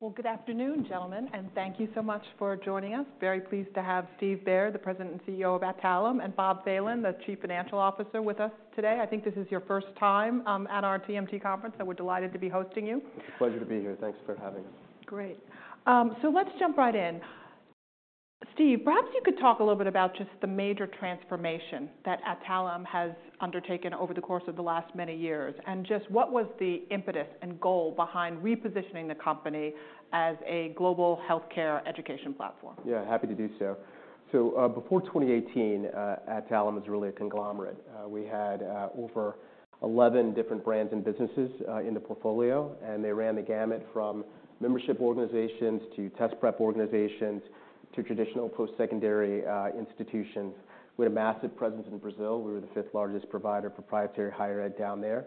Well, good afternoon, gentlemen, and thank you so much for joining us. Very pleased to have Stephen Beard, the President and CEO of Adtalem, and Bob Phelan, the Chief Financial Officer, with us today. I think this is your first time at our TMT conference, and we're delighted to be hosting you. It's a pleasure to be here. Thanks for having us. Great. Let's jump right in. Stephen, perhaps you could talk a little bit about just the major transformation that Adtalem has undertaken over the course of the last many years, and just what was the impetus and goal behind repositioning the company as a global healthcare education platform? Yeah, happy to do so. So, before 2018, Adtalem was really a conglomerate. We had over 11 different brands and businesses in the portfolio, and they ran the gamut from membership organizations to test prep organizations to traditional postsecondary institutions. We had a massive presence in Brazil. We were the fifth largest provider, proprietary higher ed down there.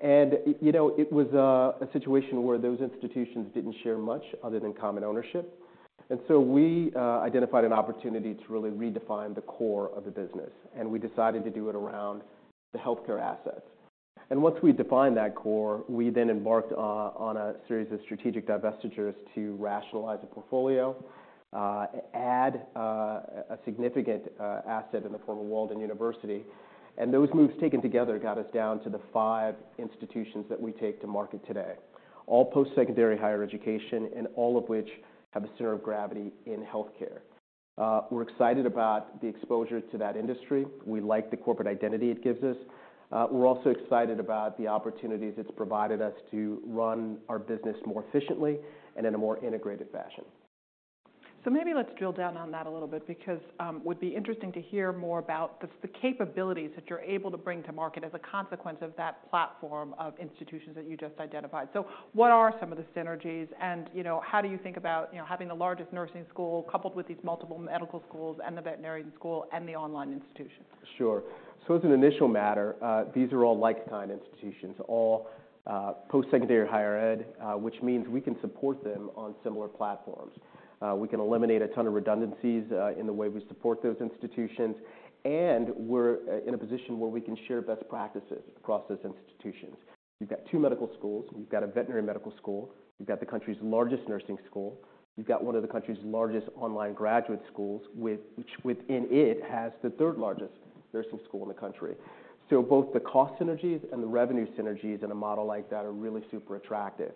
And you know, it was a situation where those institutions didn't share much other than common ownership. And so we identified an opportunity to really redefine the core of the business, and we decided to do it around the healthcare assets. And once we defined that core, we then embarked on a series of strategic divestitures to rationalize the portfolio, add a significant asset in the form of Walden University. Those moves, taken together, got us down to the five institutions that we take to market today, all postsecondary higher education, and all of which have a center of gravity in healthcare. We're excited about the exposure to that industry. We like the corporate identity it gives us. We're also excited about the opportunities it's provided us to run our business more efficiently and in a more integrated fashion. So maybe let's drill down on that a little bit, because would be interesting to hear more about the capabilities that you're able to bring to market as a consequence of that platform of institutions that you just identified. So what are some of the synergies? And, you know, how do you think about, you know, having the largest nursing school coupled with these multiple medical schools and the veterinary school and the online institutions? Sure. So as an initial matter, these are all like-kind institutions, all postsecondary higher ed, which means we can support them on similar platforms. We can eliminate a ton of redundancies in the way we support those institutions, and we're in a position where we can share best practices across those institutions. We've got two medical schools. We've got a veterinary medical school. We've got the country's largest nursing school. We've got one of the country's largest online graduate schools, which within it has the third largest nursing school in the country. So both the cost synergies and the revenue synergies in a model like that are really super attractive.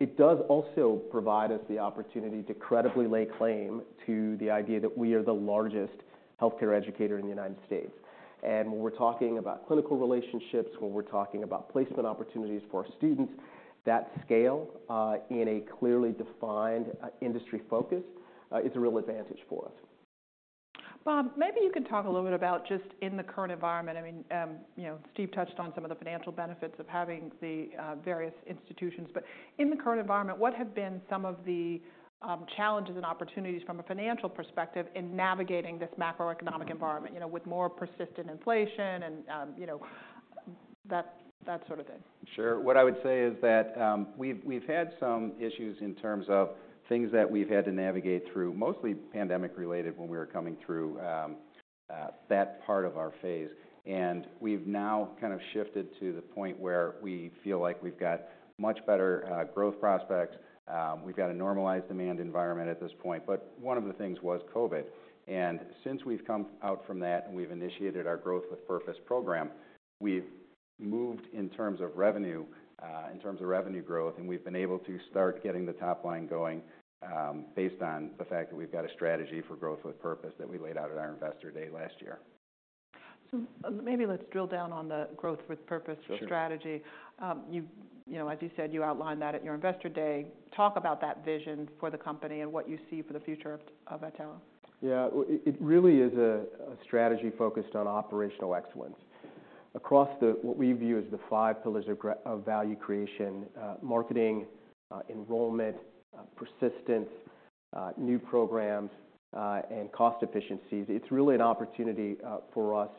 It does also provide us the opportunity to credibly lay claim to the idea that we are the largest healthcare educator in the United States. When we're talking about clinical relationships, when we're talking about placement opportunities for our students, that scale in a clearly defined industry focus is a real advantage for us. Bob, maybe you can talk a little bit about just in the current environment, I mean, you know, Steve touched on some of the financial benefits of having the various institutions. But in the current environment, what have been some of the challenges and opportunities from a financial perspective in navigating this macroeconomic environment, you know, with more persistent inflation and you know, that sort of thing? Sure. What I would say is that, we've had some issues in terms of things that we've had to navigate through, mostly pandemic-related, when we were coming through that part of our phase. And we've now kind of shifted to the point where we feel like we've got much better growth prospects. We've got a normalized demand environment at this point, but one of the things was COVID, and since we've come out from that, and we've initiated our Growth with Purpose program, we've moved in terms of revenue, in terms of revenue growth, and we've been able to start getting the top line going, based on the fact that we've got a strategy for Growth with Purpose that we laid out at our Investor Day last year. Maybe let's drill down on the Growth with Purpose strategy. Sure. You've... You know, as you said, you outlined that at your Investor Day. Talk about that vision for the company and what you see for the future of Adtalem. Yeah. Well, it really is a strategy focused on operational excellence. Across what we view as the five pillars of value creation: marketing, enrollment, persistence, new programs, and cost efficiencies, it's really an opportunity for us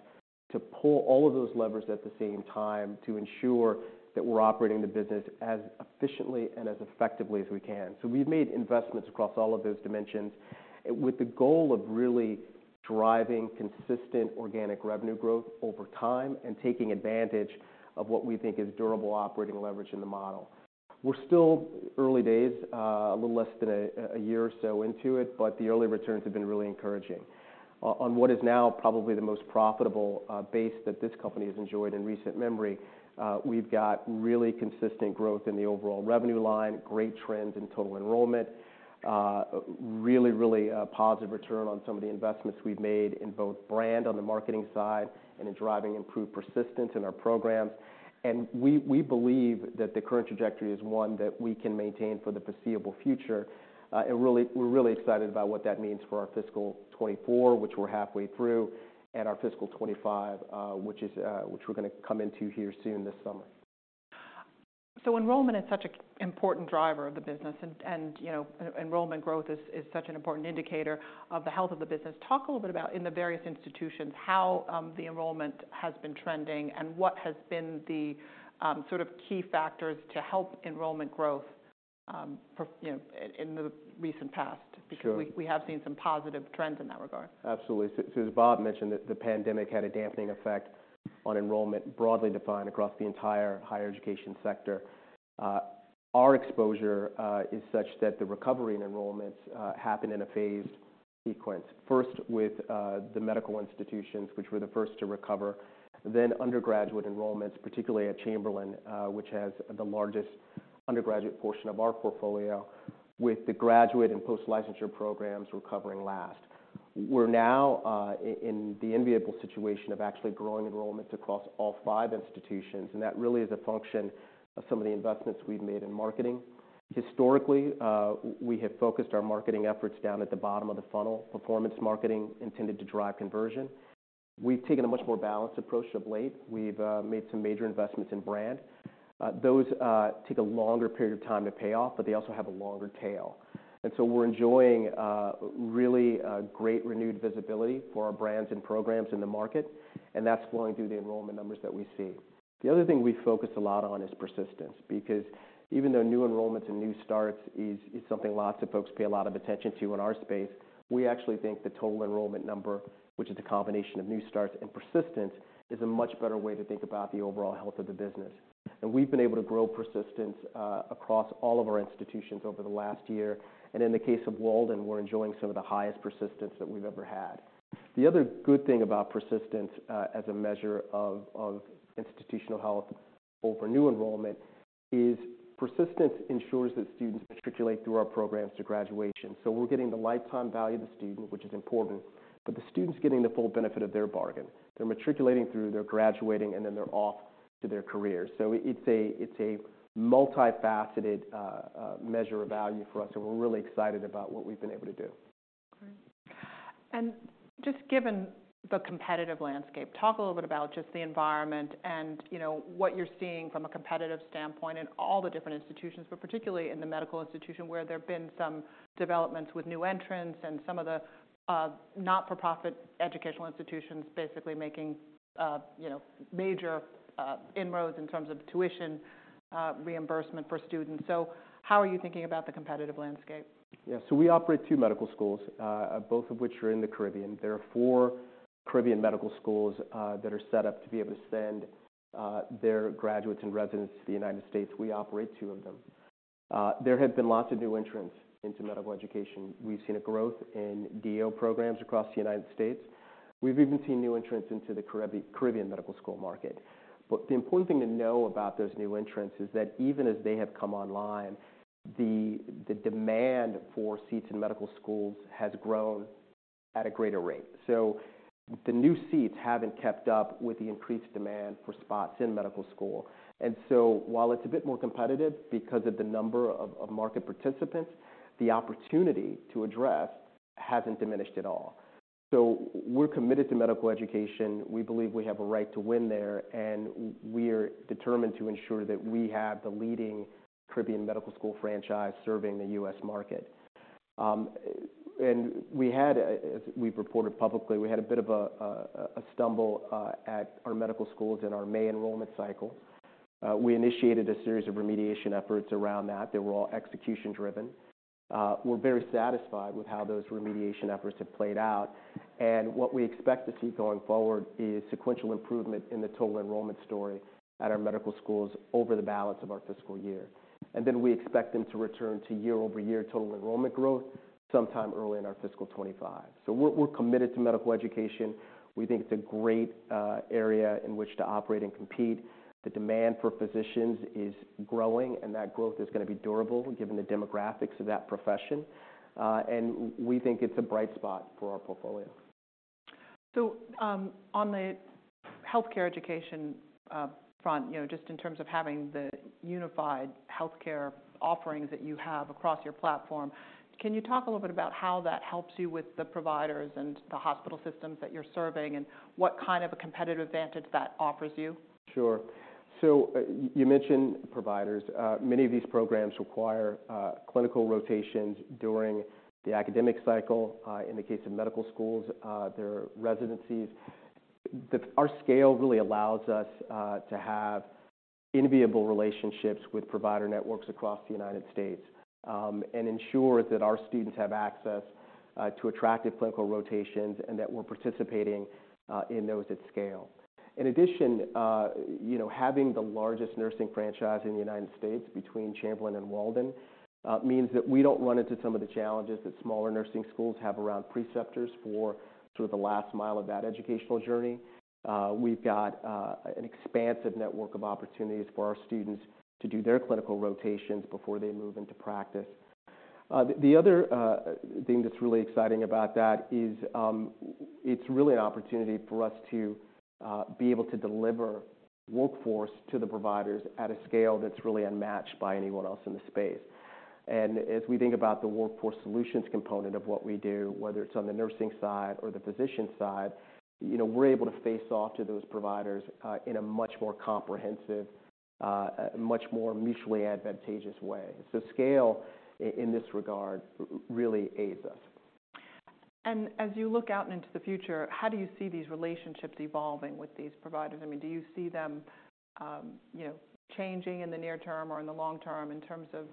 to pull all of those levers at the same time to ensure that we're operating the business as efficiently and as effectively as we can. So we've made investments across all of those dimensions, with the goal of really driving consistent organic revenue growth over time and taking advantage of what we think is durable operating leverage in the model. We're still early days, a little less than a year or so into it, but the early returns have been really encouraging. On what is now probably the most profitable base that this company has enjoyed in recent memory, we've got really consistent growth in the overall revenue line, great trends in total enrollment, really, really positive return on some of the investments we've made in both brand on the marketing side and in driving improved persistence in our programs. And we believe that the current trajectory is one that we can maintain for the foreseeable future, and we're really excited about what that means for our fiscal 2024, which we're halfway through, and our fiscal 2025, which we're gonna come into here soon, this summer. So enrollment is such an important driver of the business and, you know, enrollment growth is such an important indicator of the health of the business. Talk a little bit about, in the various institutions, how the enrollment has been trending and what has been the sort of key factors to help enrollment growth, for, you know, in the recent past? Sure. Because we have seen some positive trends in that regard. Absolutely. So as Bob mentioned, the pandemic had a dampening effect on enrollment, broadly defined, across the entire higher education sector. Our exposure is such that the recovery in enrollments happened in a phased sequence, first with the medical institutions, which were the first to recover, then undergraduate enrollments, particularly at Chamberlain, which has the largest undergraduate portion of our portfolio, with the graduate and post-licensure programs recovering last. We're now in the enviable situation of actually growing enrollments across all five institutions, and that really is a function of some of the investments we've made in marketing. Historically, we have focused our marketing efforts down at the bottom of the funnel, performance marketing, intended to drive conversion. We've taken a much more balanced approach of late. We've made some major investments in brand. Those take a longer period of time to pay off, but they also have a longer tail. And so we're enjoying really great renewed visibility for our brands and programs in the market, and that's flowing through the enrollment numbers that we see. The other thing we focus a lot on is persistence, because even though new enrollments and new starts is something lots of folks pay a lot of attention to in our space, we actually think the total enrollment number, which is a combination of new starts and persistence, is a much better way to think about the overall health of the business. And we've been able to grow persistence across all of our institutions over the last year. And in the case of Walden, we're enjoying some of the highest persistence that we've ever had. The other good thing about persistence, as a measure of institutional health over new enrollment, is persistence ensures that students matriculate through our programs to graduation. So we're getting the lifetime value of the student, which is important, but the student's getting the full benefit of their bargain. They're matriculating through, they're graduating, and then they're off to their careers. So it's a multifaceted measure of value for us, and we're really excited about what we've been able to do. Great. And just given the competitive landscape, talk a little bit about just the environment and, you know, what you're seeing from a competitive standpoint in all the different institutions, but particularly in the medical institution, where there have been some developments with new entrants and some of the not-for-profit educational institutions, basically making, you know, major inroads in terms of tuition reimbursement for students. So how are you thinking about the competitive landscape? Yeah, so we operate two medical schools, both of which are in the Caribbean. There are four Caribbean medical schools that are set up to be able to send their graduates and residents to the United States. We operate two of them. There have been lots of new entrants into medical education. We've seen a growth in DO programs across the United States. We've even seen new entrants into the Caribbean medical school market. But the important thing to know about those new entrants is that even as they have come online, the demand for seats in medical schools has grown at a greater rate. So the new seats haven't kept up with the increased demand for spots in medical school. And so while it's a bit more competitive because of the number of market participants, the opportunity to address hasn't diminished at all. So we're committed to medical education. We believe we have a right to win there, and we are determined to ensure that we have the leading Caribbean medical school franchise serving the U.S. market. And we had, as we've reported publicly, we had a bit of a stumble at our medical schools in our May enrollment cycle. We initiated a series of remediation efforts around that. They were all execution driven. We're very satisfied with how those remediation efforts have played out. And what we expect to see going forward is sequential improvement in the total enrollment story at our medical schools over the balance of our fiscal year. And then we expect them to return to year-over-year total enrollment growth sometime early in our fiscal 2025. So we're committed to medical education. We think it's a great area in which to operate and compete. The demand for physicians is growing, and that growth is gonna be durable, given the demographics of that profession. And we think it's a bright spot for our portfolio. So, on the healthcare education front, you know, just in terms of having the unified healthcare offerings that you have across your platform, can you talk a little bit about how that helps you with the providers and the hospital systems that you're serving, and what kind of a competitive advantage that offers you? Sure. So, you mentioned providers. Many of these programs require clinical rotations during the academic cycle. In the case of medical schools, there are residencies. Our scale really allows us to have enviable relationships with provider networks across the United States, and ensure that our students have access to attractive clinical rotations and that we're participating in those at scale. In addition, you know, having the largest nursing franchise in the United States, between Chamberlain and Walden, means that we don't run into some of the challenges that smaller nursing schools have around preceptors for sort of the last mile of that educational journey. We've got an expansive network of opportunities for our students to do their clinical rotations before they move into practice. The other thing that's really exciting about that is, it's really an opportunity for us to be able to deliver workforce to the providers at a scale that's really unmatched by anyone else in the space. And as we think about the workforce solutions component of what we do, whether it's on the nursing side or the physician side, you know, we're able to face off to those providers in a much more comprehensive, much more mutually advantageous way. So scale in this regard really aids us. As you look out into the future, how do you see these relationships evolving with these providers? I mean, do you see them, you know, changing in the near term or in the long term, in terms of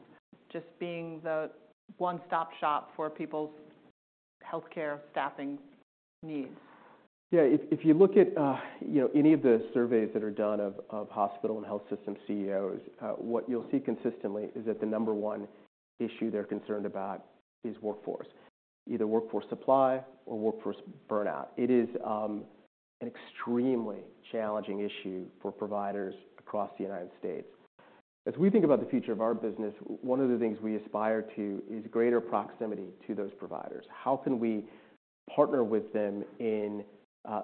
just being the one-stop shop for people's healthcare staffing needs?... Yeah, if you look at, you know, any of the surveys that are done of hospital and health system CEOs, what you'll see consistently is that the number one issue they're concerned about is workforce, either workforce supply or workforce burnout. It is an extremely challenging issue for providers across the United States. As we think about the future of our business, one of the things we aspire to is greater proximity to those providers. How can we partner with them in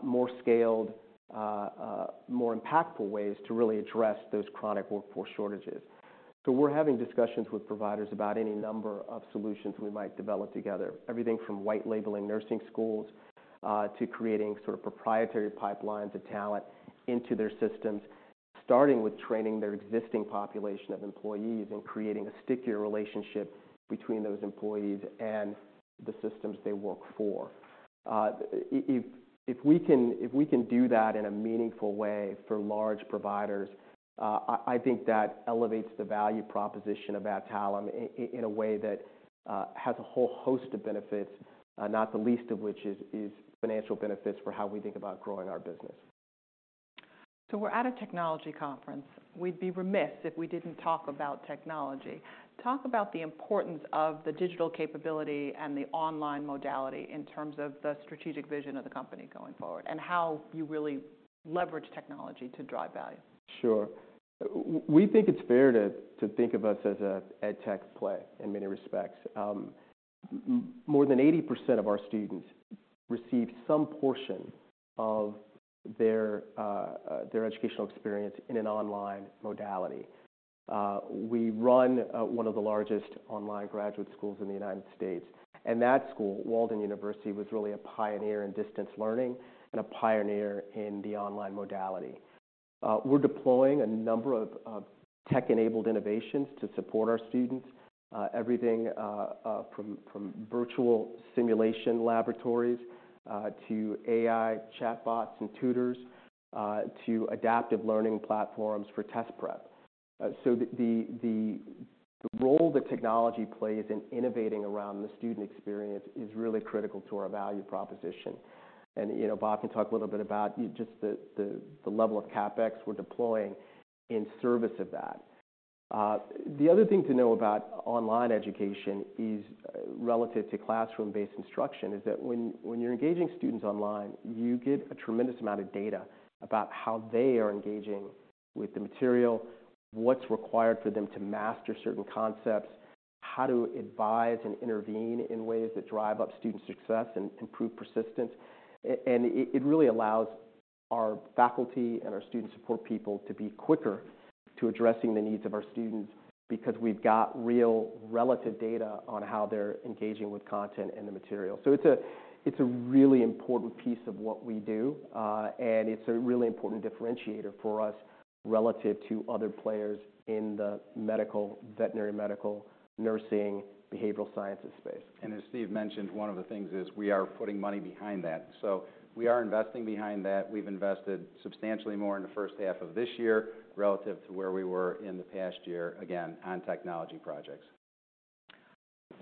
more scaled, more impactful ways to really address those chronic workforce shortages? So we're having discussions with providers about any number of solutions we might develop together. Everything from white labeling nursing schools, to creating sort of proprietary pipelines of talent into their systems, starting with training their existing population of employees and creating a stickier relationship between those employees and the systems they work for. If we can do that in a meaningful way for large providers, I think that elevates the value proposition about Adtalem in a way that has a whole host of benefits, not the least of which is financial benefits for how we think about growing our business. We're at a technology conference. We'd be remiss if we didn't talk about technology. Talk about the importance of the digital capability and the online modality in terms of the strategic vision of the company going forward, and how you really leverage technology to drive value. Sure. We think it's fair to think of us as a EdTech play in many respects. More than 80% of our students receive some portion of their their educational experience in an online modality. We run one of the largest online graduate schools in the United States, and that school, Walden University, was really a pioneer in distance learning and a pioneer in the online modality. We're deploying a number of tech-enabled innovations to support our students. Everything from virtual simulation laboratories to AI chatbots and tutors to adaptive learning platforms for test prep. So the role that technology plays in innovating around the student experience is really critical to our value proposition. You know, Bob can talk a little bit about just the level of CapEx we're deploying in service of that. The other thing to know about online education is, relative to classroom-based instruction, that when you're engaging students online, you get a tremendous amount of data about how they are engaging with the material, what's required for them to master certain concepts, how to advise and intervene in ways that drive up student success and improve persistence. And it really allows our faculty and our student support people to be quicker to addressing the needs of our students, because we've got real relative data on how they're engaging with content and the material. So it's a really important piece of what we do, and it's a really important differentiator for us relative to other players in the medical, veterinary medical, nursing, behavioral sciences space. As Steve mentioned, one of the things is we are putting money behind that. We are investing behind that. We've invested substantially more in the first half of this year relative to where we were in the past year, again, on technology projects.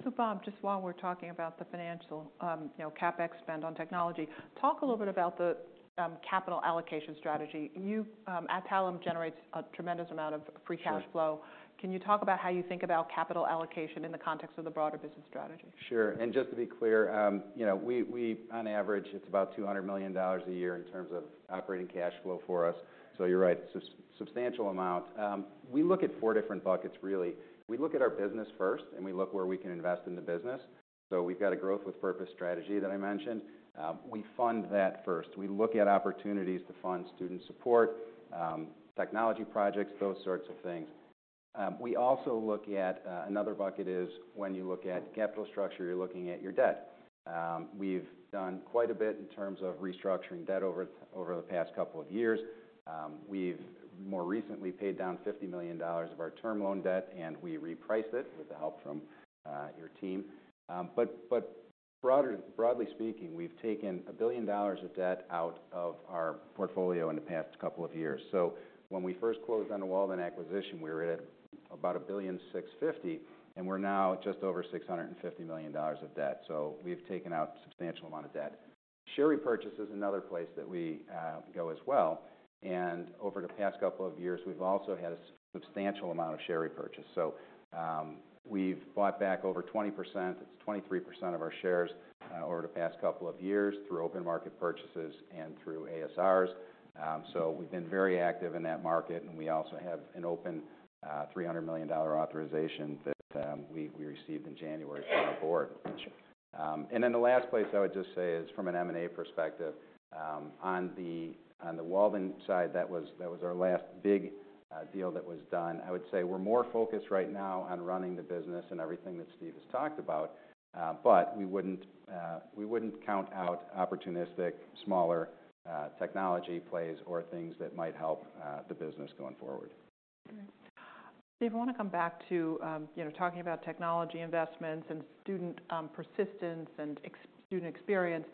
So Bob, just while we're talking about the financial, you know, CapEx spend on technology, talk a little bit about the, capital allocation strategy. You, at Adtalem, generates a tremendous amount of free cash flow. Sure. Can you talk about how you think about capital allocation in the context of the broader business strategy? Sure. And just to be clear, you know, we-- on average, it's about $200 million a year in terms of operating cash flow for us. So you're right, substantial amount. We look at four different buckets, really. We look at our business first, and we look where we can invest in the business. So we've got a Growth with Purpose strategy that I mentioned. We fund that first. We look at opportunities to fund student support, technology projects, those sorts of things. We also look at... Another bucket is when you look at capital structure, you're looking at your debt. We've done quite a bit in terms of restructuring debt over the past couple of years. We've more recently paid down $50 million of our term loan debt, and we repriced it with the help from your team. Broadly speaking, we've taken $1 billion of debt out of our portfolio in the past couple of years. So when we first closed on the Walden acquisition, we were at about $1.65 billion, and we're now just over $650 million of debt. So we've taken out a substantial amount of debt. Share repurchase is another place that we go as well, and over the past couple of years, we've also had a substantial amount of share repurchase. So we've bought back over 20%, it's 23% of our shares, over the past couple of years through open market purchases and through ASRs. So we've been very active in that market, and we also have an open $300 million authorization that we received in January from the board. And then the last place I would just say is from an M&A perspective. On the Walden side, that was our last big deal that was done. I would say we're more focused right now on running the business and everything that Steve has talked about, but we wouldn't count out opportunistic, smaller technology plays or things that might help the business going forward. Steve, I want to come back to, you know, talking about technology investments and student persistence and student experience.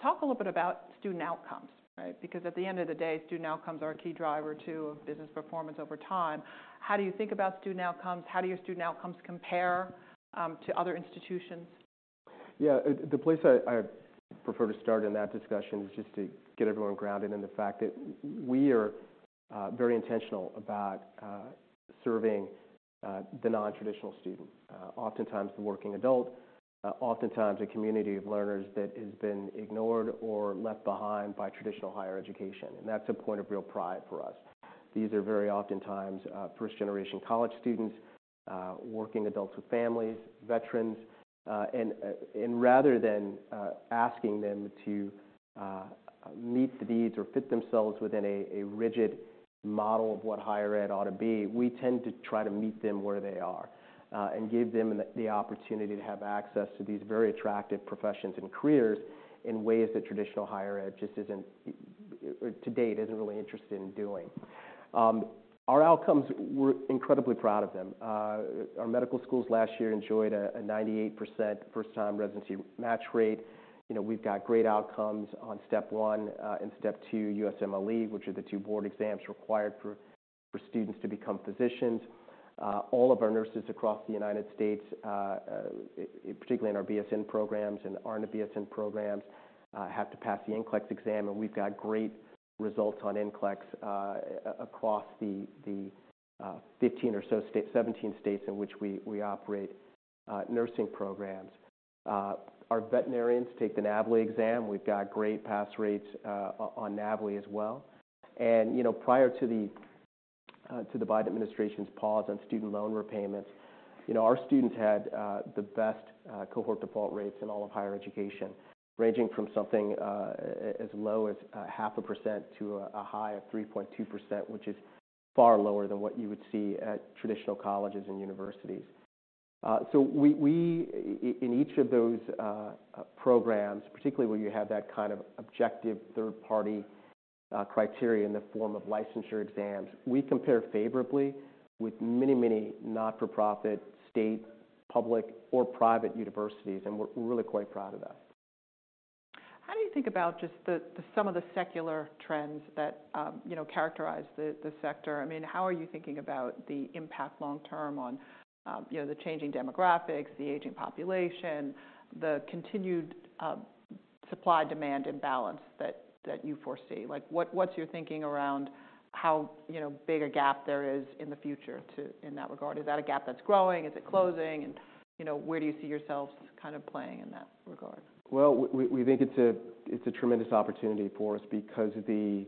Talk a little bit about student outcomes... right? Because at the end of the day, student outcomes are a key driver to business performance over time. How do you think about student outcomes? How do your student outcomes compare to other institutions? Yeah, the place I prefer to start in that discussion is just to get everyone grounded in the fact that we are very intentional about serving the non-traditional student. Oftentimes the working adult, oftentimes a community of learners that has been ignored or left behind by traditional higher education, and that's a point of real pride for us. These are very oftentimes first-generation college students, working adults with families, veterans, and rather than asking them to meet the needs or fit themselves within a rigid model of what higher ed ought to be, we tend to try to meet them where they are, and give them the opportunity to have access to these very attractive professions and careers in ways that traditional higher ed just isn't to date, isn't really interested in doing. Our outcomes, we're incredibly proud of them. Our medical schools last year enjoyed a 98% first-time residency match rate. You know, we've got great outcomes on Step 1 and Step 2 USMLE, which are the two board exams required for students to become physicians. All of our nurses across the United States, particularly in our BSN programs and RN to BSN programs, have to pass the NCLEX exam, and we've got great results on NCLEX across the 15 or so states, 17 states in which we operate nursing programs. Our veterinarians take the NAVLE exam. We've got great pass rates on NAVLE as well. You know, prior to the Biden administration's pause on student loan repayments, you know, our students had the best cohort default rates in all of higher education, ranging from something as low as 0.5% to a high of 3.2%, which is far lower than what you would see at traditional colleges and universities. So, in each of those programs, particularly where you have that kind of objective, third-party criteria in the form of licensure exams, we compare favorably with many, many not-for-profit, state, public, or private universities, and we're really quite proud of that. How do you think about just some of the secular trends that, you know, characterize the sector? I mean, how are you thinking about the impact long term on, you know, the changing demographics, the aging population, the continued supply-demand imbalance that you foresee? Like, what's your thinking around how, you know, big a gap there is in the future in that regard? Is that a gap that's growing? Is it closing? And, you know, where do you see yourselves kind of playing in that regard? Well, we think it's a tremendous opportunity for us because the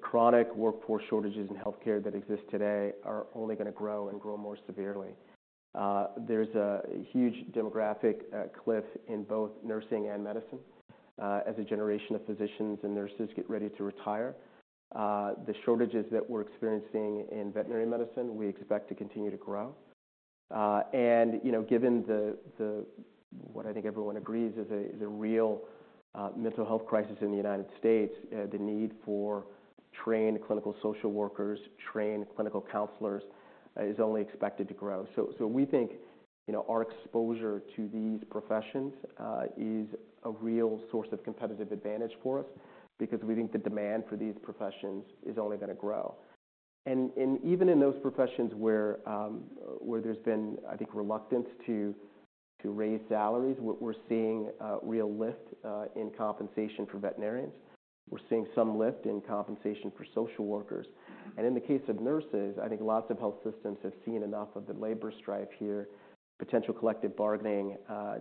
chronic workforce shortages in healthcare that exist today are only gonna grow and grow more severely. There's a huge demographic cliff in both nursing and medicine as a generation of physicians and nurses get ready to retire. The shortages that we're experiencing in veterinary medicine, we expect to continue to grow. And, you know, given what I think everyone agrees is a real mental health crisis in the United States, the need for trained clinical social workers, trained clinical counselors, is only expected to grow. So we think, you know, our exposure to these professions is a real source of competitive advantage for us because we think the demand for these professions is only gonna grow. And even in those professions where there's been, I think, reluctance to raise salaries, we're seeing a real lift in compensation for veterinarians. We're seeing some lift in compensation for social workers. And in the case of nurses, I think lots of health systems have seen enough of the labor strife here, potential collective bargaining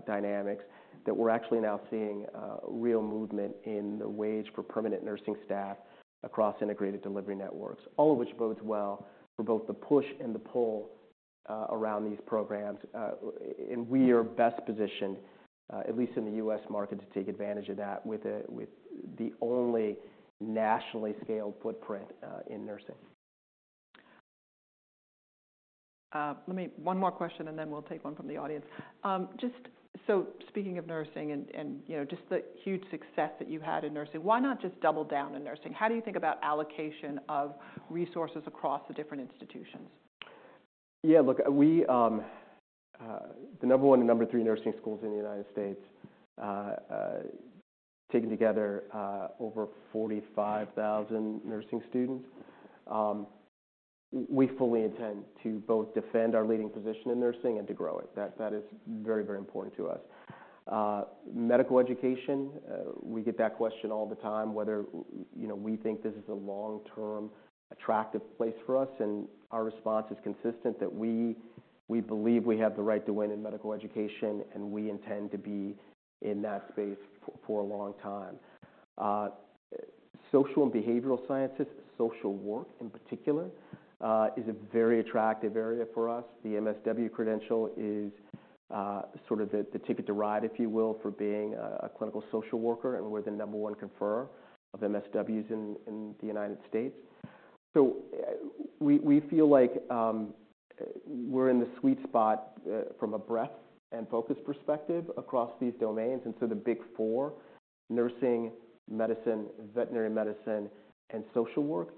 dynamics, that we're actually now seeing real movement in the wage for permanent nursing staff across integrated delivery networks. All of which bodes well for both the push and the pull around these programs. And we are best positioned, at least in the U.S. market, to take advantage of that with the only nationally scaled footprint in nursing. Let me one more question, and then we'll take one from the audience. Just so speaking of nursing and, you know, just the huge success that you had in nursing, why not just double down on nursing? How do you think about allocation of resources across the different institutions? Yeah, look, we, the number on and number three nursing schools in the United States, taken together, over 45,000 nursing students. We fully intend to both defend our leading position in nursing and to grow it. That is very, very important to us. Medical education, we get that question all the time, whether, you know, we think this is a long-term, attractive place for us, and our response is consistent, that we, we believe we have the right to win in medical education, and we intend to be in that space for a long time. Social and behavioral sciences, social work in particular, is a very attractive area for us. The MSW credential is sort of the ticket to ride, if you will, for being a clinical social worker, and we're the number one conferrer of MSWs in the United States. So, we feel like we're in the sweet spot from a breadth and focus perspective across these domains. And so the Big Four, nursing, medicine, veterinary medicine, and social work.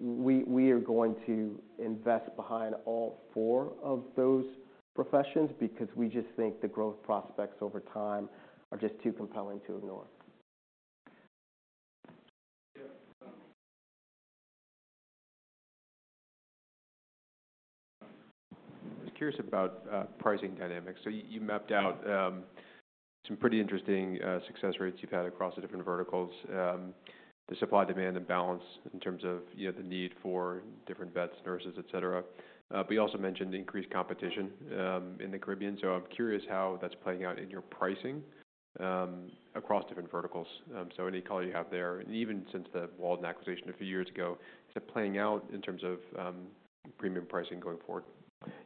We are going to invest behind all four of those professions, because we just think the growth prospects over time are just too compelling to ignore. I was curious about pricing dynamics. So you mapped out some pretty interesting success rates you've had across the different verticals. The supply, demand, and balance in terms of, you know, the need for different vets, nurses, et cetera. But you also mentioned increased competition in the Caribbean. So I'm curious how that's playing out in your pricing across different verticals. So any color you have there, and even since the Walden acquisition a few years ago, is it playing out in terms of premium pricing going forward?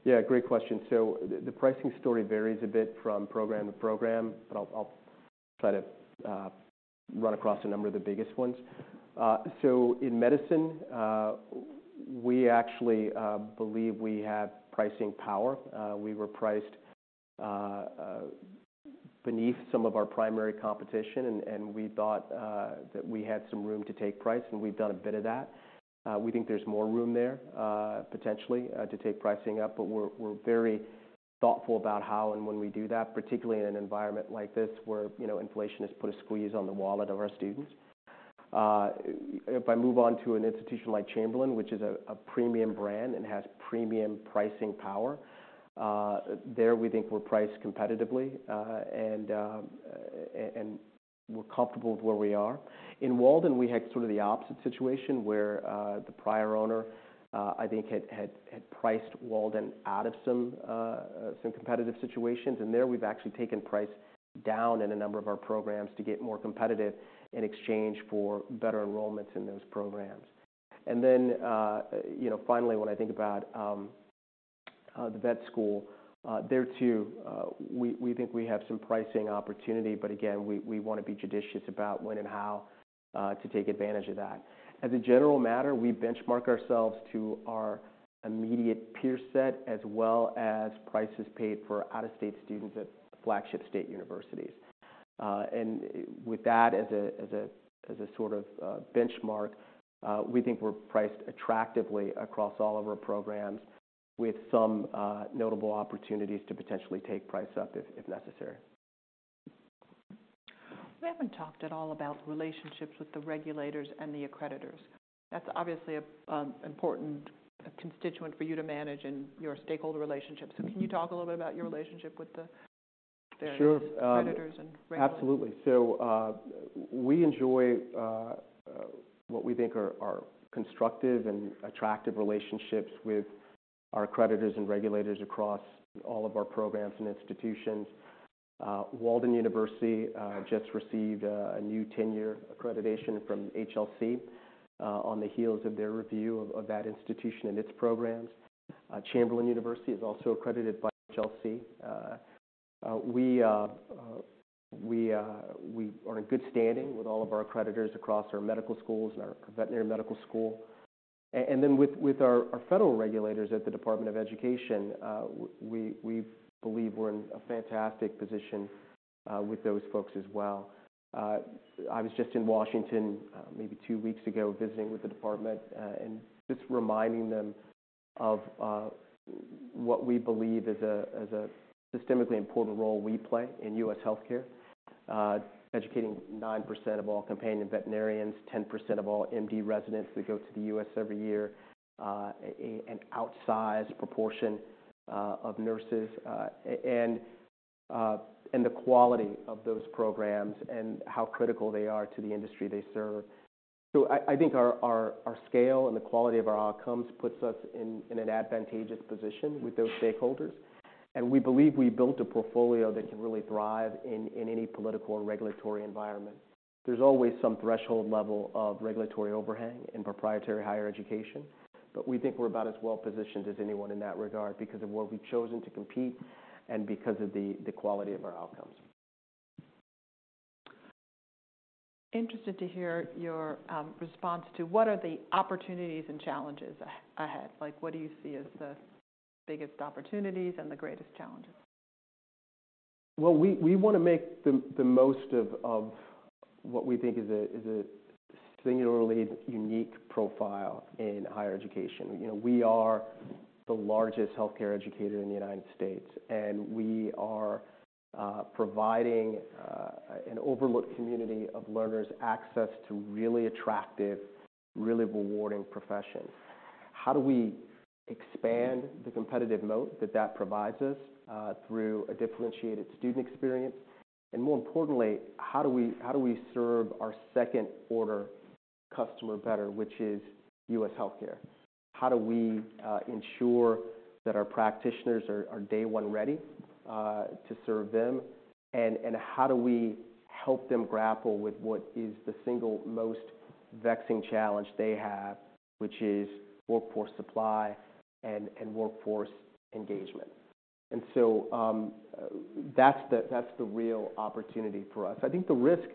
Yeah, great question. So the pricing story varies a bit from program to program, but I'll try to run across a number of the biggest ones. So in medicine, we actually believe we have pricing power. We were priced beneath some of our primary competition, and we thought that we had some room to take price, and we've done a bit of that. We think there's more room there, potentially, to take pricing up. But we're very thoughtful about how and when we do that, particularly in an environment like this, where, you know, inflation has put a squeeze on the wallet of our students. If I move on to an institution like Chamberlain, which is a premium brand and has premium pricing power, there, we think we're priced competitively, and we're comfortable with where we are. In Walden, we had sort of the opposite situation, where the prior owner, I think had priced Walden out of some competitive situations. And there, we've actually taken price down in a number of our programs to get more competitive in exchange for better enrollments in those programs. And then, you know, finally, when I think about the vet school, there, too, we think we have some pricing opportunity, but again, we wanna be judicious about when and how to take advantage of that. As a general matter, we benchmark ourselves to our immediate peer set, as well as prices paid for out-of-state students at flagship state universities. And with that as a sort of benchmark, we think we're priced attractively across all of our programs, with some notable opportunities to potentially take price up if necessary. We haven't talked at all about the relationships with the regulators and the accreditors. That's obviously a important constituent for you to manage in your stakeholder relationships. So can you talk a little bit about your relationship with the- Sure - accreditors and regulators? Absolutely. So, we enjoy what we think are constructive and attractive relationships with our accreditors and regulators across all of our programs and institutions. Walden University just received a new 10-year accreditation from HLC, on the heels of their review of that institution and its programs. Chamberlain University is also accredited by HLC. We are in good standing with all of our accreditors across our medical schools and our veterinary medical school. And then with our federal regulators at the Department of Education, we believe we're in a fantastic position with those folks as well. I was just in Washington, maybe two weeks ago, visiting with the department, and just reminding them of what we believe is a systemically important role we play in U.S. healthcare. Educating 9% of all companion veterinarians, 10% of all MD residents who go to the U.S. every year, an outsized proportion of nurses, and the quality of those programs, and how critical they are to the industry they serve. So I think our scale and the quality of our outcomes puts us in an advantageous position with those stakeholders. And we believe we built a portfolio that can really thrive in any political or regulatory environment. There's always some threshold level of regulatory overhang in proprietary higher education, but we think we're about as well-positioned as anyone in that regard, because of where we've chosen to compete and because of the quality of our outcomes. Interested to hear your response to what are the opportunities and challenges ahead? Like, what do you see as the biggest opportunities and the greatest challenges? Well, we want to make the most of what we think is a singularly unique profile in higher education. You know, we are the largest healthcare educator in the United States, and we are providing an overlooked community of learners access to really attractive, really rewarding professions. How do we expand the competitive moat that provides us through a differentiated student experience? And more importantly, how do we serve our second-order customer better, which is U.S. healthcare? How do we ensure that our practitioners are day-one ready to serve them? And how do we help them grapple with what is the single most vexing challenge they have, which is workforce supply and workforce engagement? And so, that's the real opportunity for us. I think the risk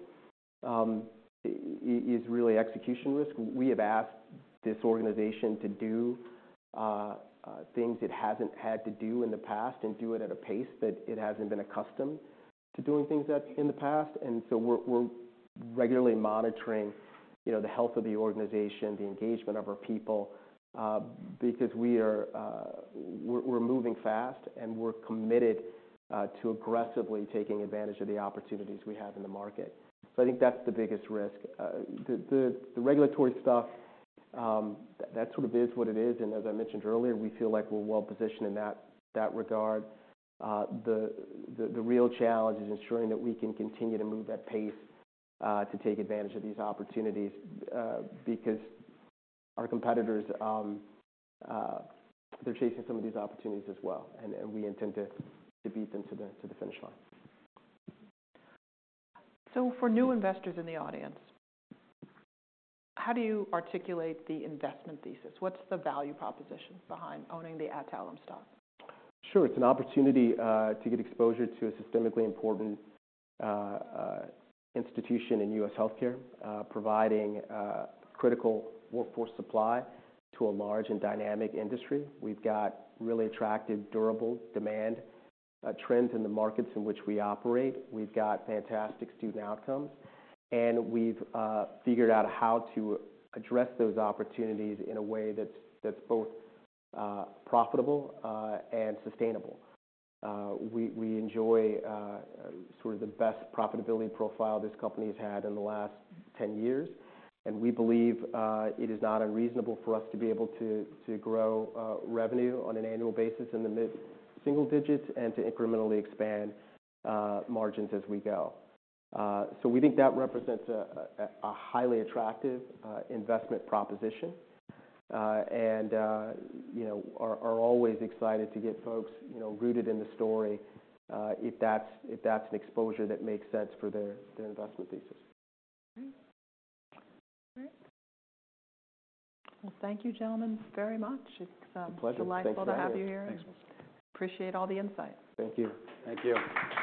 is really execution risk. We have asked this organization to do things it hasn't had to do in the past, and do it at a pace that it hasn't been accustomed to doing things at in the past. And so we're regularly monitoring, you know, the health of the organization, the engagement of our people, because we are, we're moving fast, and we're committed to aggressively taking advantage of the opportunities we have in the market. So I think that's the biggest risk. The regulatory stuff, that sort of is what it is, and as I mentioned earlier, we feel like we're well positioned in that regard. The real challenge is ensuring that we can continue to move at pace to take advantage of these opportunities, because our competitors, they're chasing some of these opportunities as well, and we intend to the finish line. For new investors in the audience, how do you articulate the investment thesis? What's the value proposition behind owning the Adtalem stock? Sure. It's an opportunity to get exposure to a systemically important institution in U.S. healthcare providing critical workforce supply to a large and dynamic industry. We've got really attractive, durable demand trends in the markets in which we operate. We've got fantastic student outcomes, and we've figured out how to address those opportunities in a way that's both profitable and sustainable. We enjoy sort of the best profitability profile this company has had in the last 10 years, and we believe it is not unreasonable for us to be able to grow revenue on an annual basis in the mid-single digits and to incrementally expand margins as we go. So we think that represents a highly attractive investment proposition, and you know, are always excited to get folks, you know, rooted in the story, if that's an exposure that makes sense for their investment thesis. Great. Well, thank you, gentlemen, very much. A pleasure. It's delightful to have you here. Thanks. Appreciate all the insight. Thank you. Thank you.